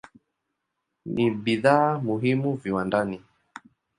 Ni bidhaa muhimu viwandani.